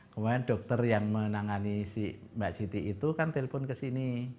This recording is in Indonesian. kemudian dokter yang menangani si mbak siti itu kan telpon ke sini